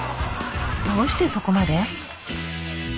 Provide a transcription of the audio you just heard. どうしてそこまで？